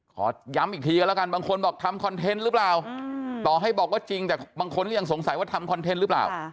ขอย้ำอีกทีกันแล้วกันบางคนบอกทำคอนเทนต์หรือเปล่าต่อให้บอกว่าจริงแต่บางคนก็ยังสงสัยว่าทำคอนเทนต์หรือเปล่า